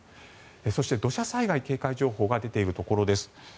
そして、土砂災害警戒情報が出ているところです。